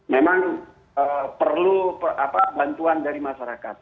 memang perlu bantuan dari masyarakat